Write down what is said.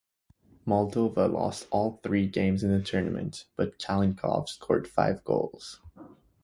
Moldova lost all three games in the tournament, but Calincov scored five goals.